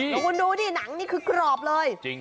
หลุงคุณดูนี่หนังนี้คือกรอบเลยจริง